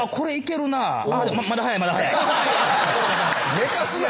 寝かすな。